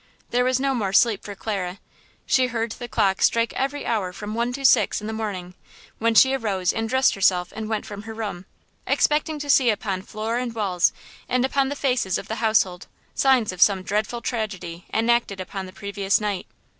There was no more sleep for Clara. She heard the clock strike every hour from one to six in the morning, when she arose and dressed herself and went from her room, expecting to see upon the floor and walls and upon the faces of the household signs of some dreadful tragedy enacted upon the previous night.